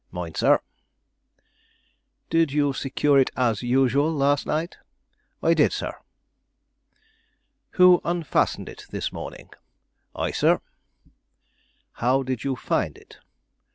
"Mine, sir." "Did you secure it as usual, last night?" "I did, sir." "Who unfastened it this morning?" "I, sir." "How did you find it?"